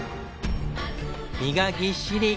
身がぎっしり！